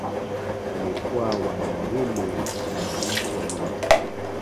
Walikuwa wana wawili na mabinti wawili.